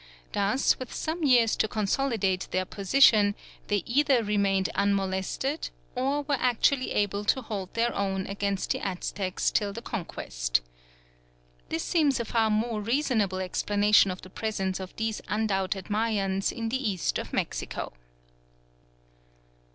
Thus with some years to consolidate their position, they either remained unmolested or were actually able to hold their own against the Aztecs till the Conquest. This seems a far more reasonable explanation of the presence of these undoubted Mayans in the east of Mexico.